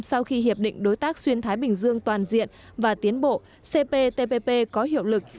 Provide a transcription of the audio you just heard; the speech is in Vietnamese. sau khi hiệp định đối tác xuyên thái bình dương toàn diện và tiến bộ cptpp có hiệu lực